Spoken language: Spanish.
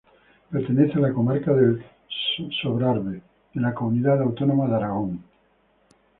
Pertenece a la comarca del Sobrarbe, en la comunidad autónoma de Aragón.